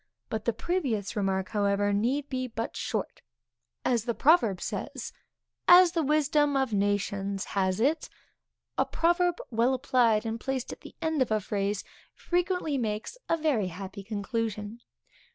But the previous remark, however, need be but short; as the proverb says, as the wisdom of nations has it. A proverb well applied, and placed at the end of a phrase, frequently makes a very happy conclusion.